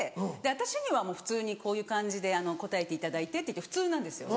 私にはもう普通にこういう感じで答えていただいてって言って普通なんですよ。